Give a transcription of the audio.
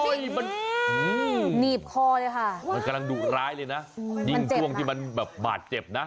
มันหนีบคอเลยค่ะมันกำลังดุร้ายเลยนะยิ่งช่วงที่มันแบบบาดเจ็บนะ